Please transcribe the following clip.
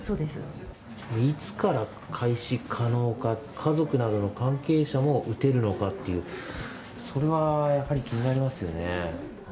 いつから開始可能か、家族などの関係者も打てるのかっていう、それはやっぱり気になりますよね。